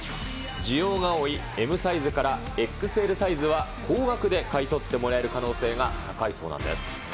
需要が多いＭサイズからＸＬサイズは、高額で買い取ってもらえる可能性が高いそうなんです。